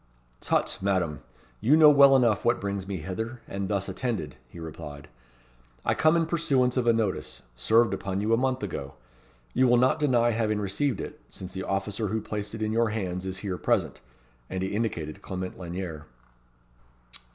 "Tut! Madame. You know well enough what brings me hither, and thus attended," he replied. "I come in pursuance of a notice, served upon you a month ago. You will not deny having received it, since the officer who placed it in your hands is here present." And he indicated Clement Lanyere.